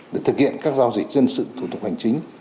để thực hiện các giao dịch dân sự thủ tục hành chính